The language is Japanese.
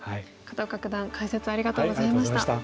片岡九段解説ありがとうございました。